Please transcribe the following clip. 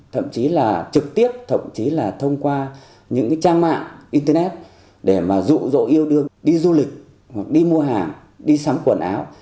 thậm chí là trực tiếp thậm chí là thông qua những cái trang mạng internet để mà rụ rỗ yêu đương đi du lịch hoặc đi mua hàng đi sắm quần áo